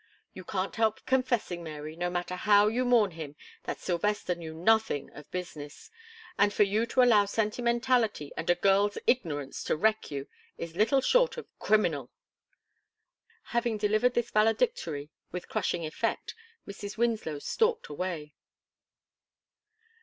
You can't help confessing, Mary, no matter how you mourn him, that Sylvester knew nothing of business, and for you to allow sentimentality and a girl's ignorance to wreck you, is little short of criminal." Having delivered this valedictory with crushing effect, Mrs. Winslow stalked away.